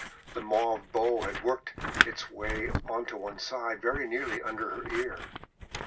The mauve bow had worked its way on to one side very nearly under her ear.